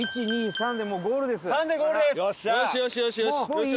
「３」でゴールです！